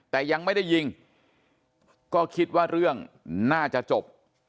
แต่ยังไม่ได้ยิงก็คิดว่าเรื่องน่าจะจบ